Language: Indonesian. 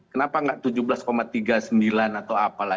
kenapa nggak tujuh belas tiga puluh sembilan atau apalah